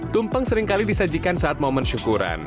tumpeng seringkali disajikan saat momen syukuran